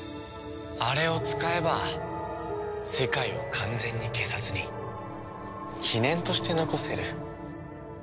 あれを使えば世界を完全に消さずに記念として残せる。